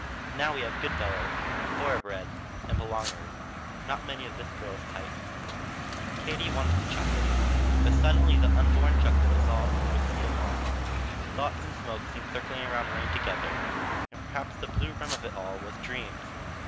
Now we have good fellows, and thoroughbreds, and belongers. Not many of this girl's type." Katie wanted to chuckle. But suddenly the unborn chuckle dissolved into a sea of awe. Thoughts and smoke seemed circling around Wayne together; and perhaps the blue rim of it all was dreams.